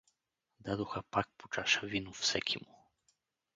Дадоха пак по чаша вино всекиму.